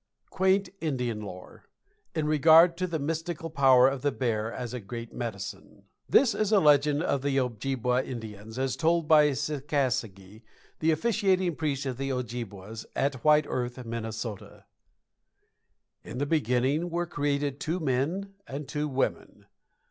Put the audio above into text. QUAINT INDIAN LORE IN REGARD TO THE MYSTICAL POWER OF THE BEAR AS A GREAT MEDICINE. This is a legend of the Ojibwa Indians as told by Sikassige, the officiating priest of the Ojibwas at White Earth, Minnesota: In the beginning were created two men and two women.